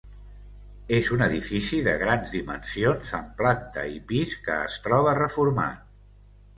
És un edifici de grans dimensions amb planta i pis que es troba reformat.